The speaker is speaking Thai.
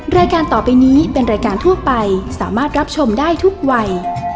รายการต่อไปนี้เป็นรายการทั่วไปสามารถรับชมได้ทุกวัย